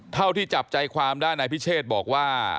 เท่าที่จับใจความได้นายพิเชษบอกว่า